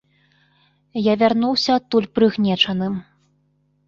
Я вярнуўся адтуль прыгнечаным.